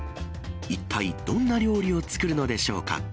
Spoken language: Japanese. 一体どんな料理を作るのでしょうか。